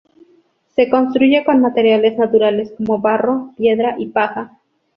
Se construye con materiales naturales como barro, piedra y paja.